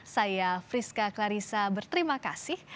saya friska clarissa berterima kasih